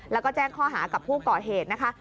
แล้วก็แจ้งข้อหากับผู้ก่อเหตุนะคะ